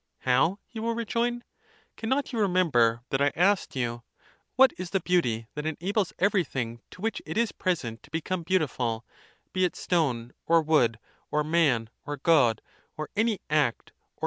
How? he will rejoin; cannot you re member that I asked you what is the beauty, that enables® every thing, to which it is present, to become beautiful, be it stone, or wood, or man, or god, or any act, or any science.